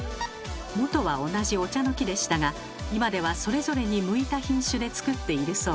もとは同じお茶の木でしたが今ではそれぞれに向いた品種で作っているそうです。